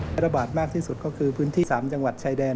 และระบาดมากที่สุดก็คือพื้นที่๓จังหวัดชายแดน